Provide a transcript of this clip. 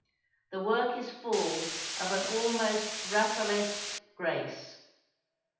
The work is full of an almost Raphaelesque grace.